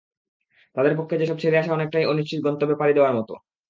তাঁদের পক্ষে সেসব ছেড়ে আসা অনেকটাই অনিশ্চিত গন্তব্যে পাড়ি দেওয়ার মতো।